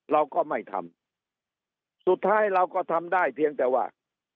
เราก็ไม่ทำสุดท้ายเราก็ทำได้เพียงแต่ว่า